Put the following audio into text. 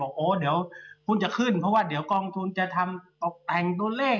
โอ้เดี๋ยวคุณจะขึ้นเพราะว่าเดี๋ยวกองทุนจะทำตกแต่งตัวเลข